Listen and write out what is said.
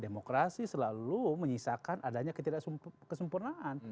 demokrasi selalu menyisakan adanya ketidaksempurnaan